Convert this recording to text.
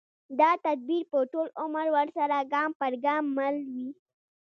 دا تدبیر به ټول عمر ورسره ګام پر ګام مل وي